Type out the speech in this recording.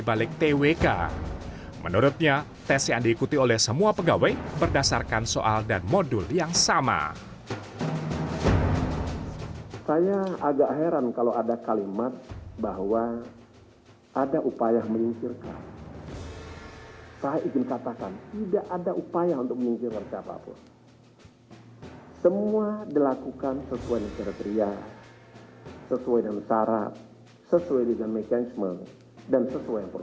berikutnya keputusan mahkamah konstitusi yang tidak diikuti pimpinan terkait alih status jabatan pegawai ini di dalam undang undang kpk